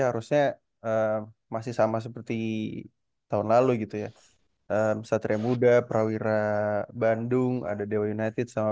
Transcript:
harusnya masih sama seperti tahun lalu gitu ya satria muda prawira bandung ada dewa united sama